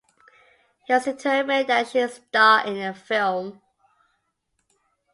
He was determined that she star in the film.